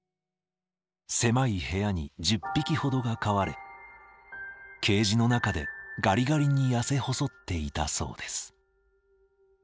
狭い部屋に１０匹ほどが飼われケージの中でガリガリに痩せ細っていたそうです。